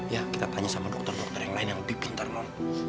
ya kita tanya sama dokter dokter yang lain yang lebih pintar non